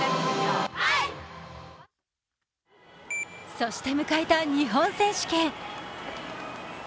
そして迎えた日本選手権。